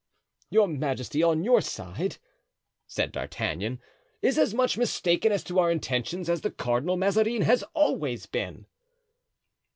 "Your majesty, on your side," said D'Artagnan, "is as much mistaken as to our intentions as the Cardinal Mazarin has always been."